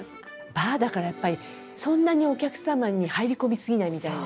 バーだからやっぱりそんなにお客様に入り込み過ぎないみたいな。